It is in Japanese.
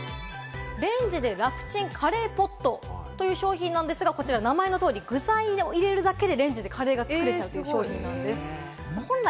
「レンジで楽チンカレーポット」という商品なんですが、こちら名前の通り、具材を入れるだけでレンジでカレーが作れちゃうという商品なんです。